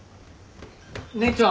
姉ちゃん。